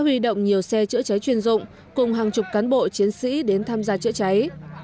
huy động nhiều xe chữa cháy chuyên dụng cùng hàng chục cán bộ chiến sĩ đến tham gia chữa cháy